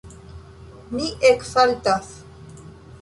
Mi eksaltas.